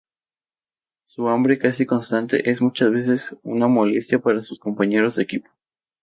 Su hambre casi constante es muchas veces una molestia para sus compañeros de equipo.